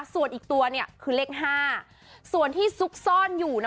ส่วนอีกตัวเนี่ยคือเลข๕ส่วนที่ซุกซ่อนอยู่นะ